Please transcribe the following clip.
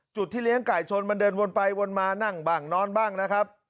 ที่เลี้ยงไก่ชนมันเดินวนไปวนมานั่งบ้างนอนบ้างนะครับ